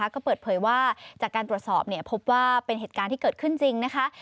ก็เปิดเผยว่าจากการตรวจสอบพบว่าเป็นเหตุการณ์ที่เกิดขึ้นจริงนะคะ